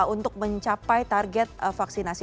untuk mencapai target vaksinasi